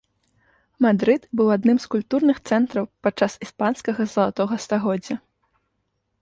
Мадрыд быў адным з культурных цэнтраў падчас іспанскага залатога стагоддзя.